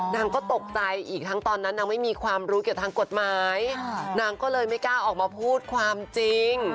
นางก็ตกใจอีกทั้งตอนนั้นนางไม่มีความรู้เกี่ยวกับทางกฎหมายนางก็เลยไม่กล้าออกมาพูดความจริง